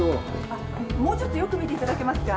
あのもうちょっとよく見ていただけますか？